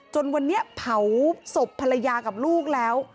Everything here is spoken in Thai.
จนวันนี้เผาศพภรรยากับลูกแล้ว